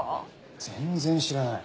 全然知らない。